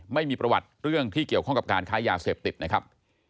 ไม่มีประวัติเรื่องที่เกี่ยวข้องกับการค้ายาเสพติดนะครับ